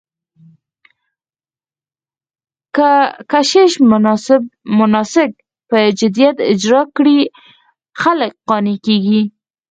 که کشیش مناسک په جديت اجرا کړي، خلک قانع کېږي.